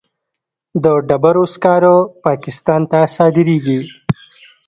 د ډبرو سکاره پاکستان ته صادریږي